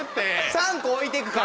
３個置いて行くから。